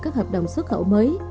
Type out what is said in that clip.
các hợp đồng xuất khẩu mới